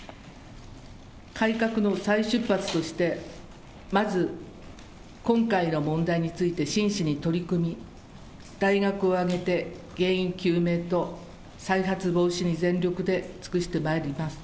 改革の再出発として、まず今回の問題について真摯に取り組み、大学を挙げて原因究明と再発防止に全力で尽くしてまいります。